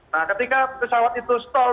nah ketika pesawat itu naik ke atas